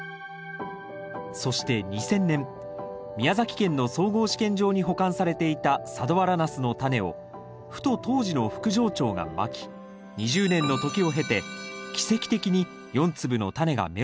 そして２０００年宮崎県の総合試験場に保管されていた佐土原ナスのタネをふと当時の副場長がまき２０年の時を経て奇跡的に４粒のタネが芽を出します。